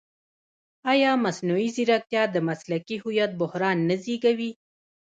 ایا مصنوعي ځیرکتیا د مسلکي هویت بحران نه زېږوي؟